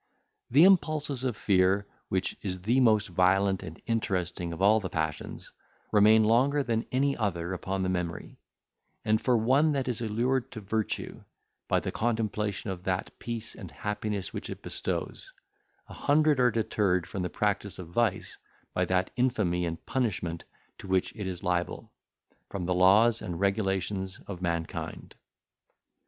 The impulses of fear, which is the most violent and interesting of all the passions, remain longer than any other upon the memory; and for one that is allured to virtue, by the contemplation of that peace and happiness which it bestows, a hundred are deterred from the practice of vice, by that infamy and punishment to which it is liable, from the laws and regulations of mankind.